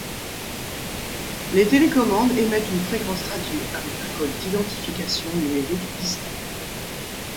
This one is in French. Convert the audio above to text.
Les télécommandes émettent une fréquence radio avec un code d'identification numérique distinct.